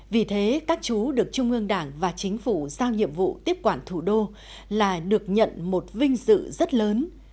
vì thế các chú được trung ương đảng và chính phủ giao nhiệm vụ tiếp quản thủ đô là được nhận một vinh dự rất lớn